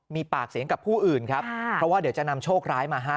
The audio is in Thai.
มีปากเสียงกับผู้อื่นครับเพราะว่าเดี๋ยวจะนำโชคร้ายมาให้